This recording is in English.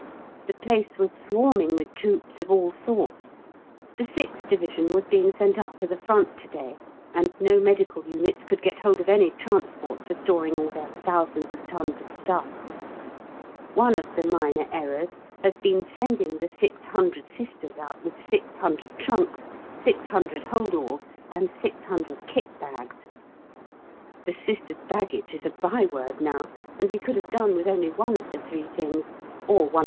The place was swarming with troops of all sorts. The 6th Division was being sent up to the Front to day, and no medical units could get hold of any transport for storing all their thousands of tons of stuff. One of the minor errors has been sending the 600 Sisters out with 600 trunks, 600 holdalls, and 600 kit bags!! The Sisters' baggage is a byword now, and we could have done with only one of the three things or 1 1/2.